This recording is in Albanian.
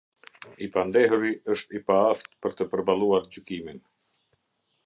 I pandehuri është i paaftë për të përballuar gjykimin.